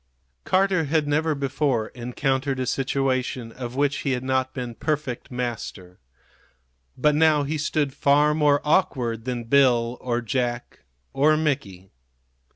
Carter had never before encountered a situation of which he had not been perfect master. But now he stood far more awkward than Bill or Jack or Mickey.